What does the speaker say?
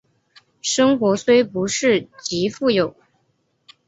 生活虽不是极富有